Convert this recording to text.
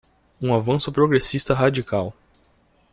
Um avançado progressista radical